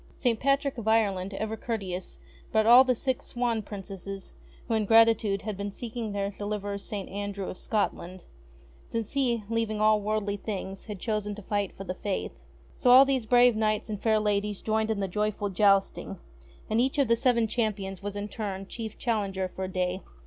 St. Patrick of Ireland, ever courteous, brought all the six Swan princesses who, in i6 ENGLISH FAIRY TALES gratitude, had been seeking their dehverer St. Andrew of Scotland ; since he, leaving all worldly things, had chosen to fight for the faith. So all these brave knights and fair ladies joined In the joyful jousting, and each of the Seven Champions was in turn Chief Challenger for a day.